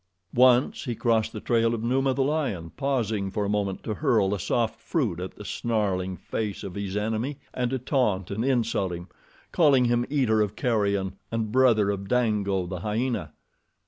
Once he crossed the trail of Numa, the lion, pausing for a moment to hurl a soft fruit at the snarling face of his enemy, and to taunt and insult him, calling him eater of carrion and brother of Dango, the hyena.